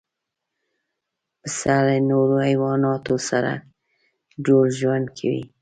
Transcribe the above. پسه له نورو حیواناتو سره جوړ ژوند کوي.